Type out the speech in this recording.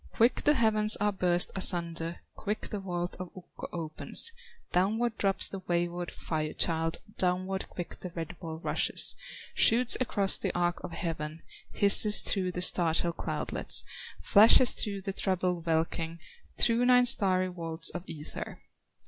Quick the heavens are burst asunder, Quick the vault of Ukko opens, Downward drops the wayward Fire child, Downward quick the red ball rushes, Shoots across the arch of heaven, Hisses through the startled cloudlets, Flashes through the troubled welkin, Through nine starry vaults of ether.